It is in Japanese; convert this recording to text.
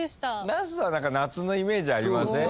ナスは夏のイメージありません？